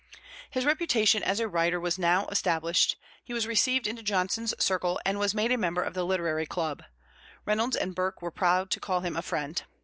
His reputation as a writer was now established; he was received into Johnson's circle and was a member of the Literary Club; Reynolds and Burke were proud to call him friend.